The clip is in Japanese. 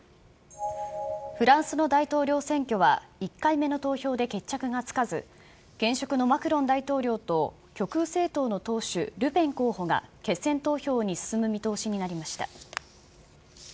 フランスの大統領選挙は、１回目の投票で決着がつかず、現職のマクロン大統領と極右政党の党首、ルペン候補が決選投票に進む見通しになりました。